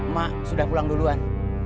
mak sudah pulang duluan